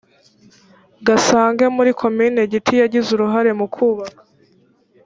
gasange muri komini giti yagize uruhare mukubaka